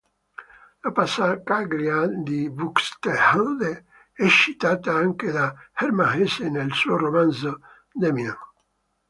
La passacaglia di Buxtehude è citata anche da Hermann Hesse nel suo romanzo "Demian".